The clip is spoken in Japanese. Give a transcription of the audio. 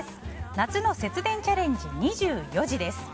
夏の節電チャレンジ２４時です。